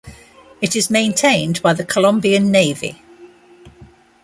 It is maintained by the Colombian Navy.